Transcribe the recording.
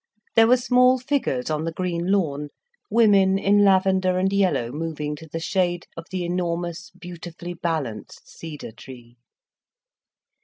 There were small figures on the green lawn, women in lavender and yellow moving to the shade of the enormous, beautifully balanced cedar tree.